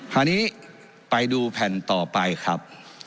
คราวนี้ไปดูแผ่นต่อไปครับ